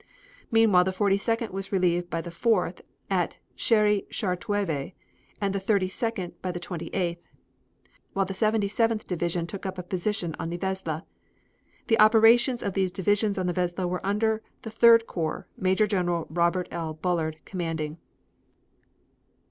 Meanwhile the Forty second was relieved by the Fourth at Chery Chartreuve, and the Thirty second by the Twenty eighth, while the Seventy seventh Division took up a position on the Vesle. The operations of these divisions on the Vesle were under the Third Corps, Maj. Gen. Robert L. Bullard, commanding.